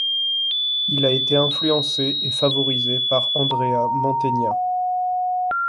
Il a été influencé et favorisé par Andrea Mantegna.